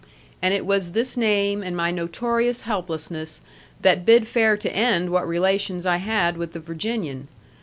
And it was this name and my notorious helplessness that bid fair to end what relations I had with the Virginian.